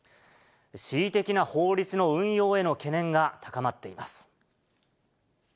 恣意的な法律の運用への懸念が高まっています。